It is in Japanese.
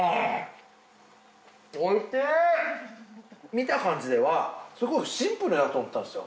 見た感じではすごいシンプルだと思ったんですよ。